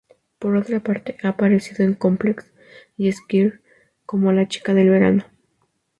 Por otra parte ha aparecido en "Complex" y "Esquire" como "La Chica del Verano".